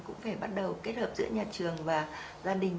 khi bắt đầu kết hợp giữa nhà trường và gia đình